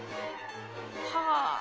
はあ。